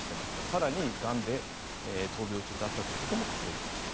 更に、がんで闘病中だったということも触れていました。